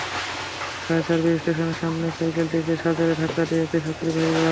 Fire service স্টেশনের সামনে সাইকেলটিকে সজোরে ধাক্কা দেয় একটি যাত্রীবাহী বাস।